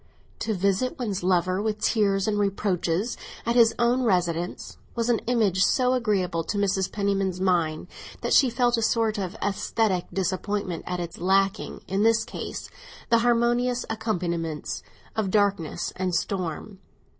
To visit one's lover, with tears and reproaches, at his own residence, was an image so agreeable to Mrs. Penniman's mind that she felt a sort of æsthetic disappointment at its lacking, in this case, the harmonious accompaniments of darkness and storm.